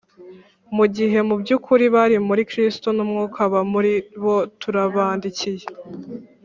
mu gihe mu by'ukuri bari muri Kristo n'Umwuka aba muri boTurabandikiye,